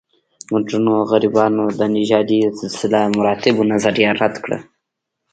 مډرنو غربیانو د نژادي سلسله مراتبو نظریه رد کړه.